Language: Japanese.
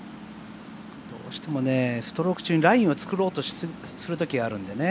どうしてもね、ストローク中にラインを作りすぎようとしちゃう時があるんでね。